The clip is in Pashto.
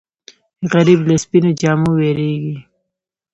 غریب له سپینو جامو وېرېږي